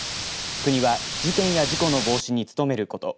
国は事件や事故の防止に努めること。